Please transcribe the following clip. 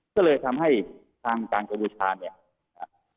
ก็เลยทำให้ทางการกัมพูชาเนี่ย